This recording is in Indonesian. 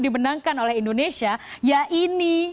dimenangkan oleh indonesia ya ini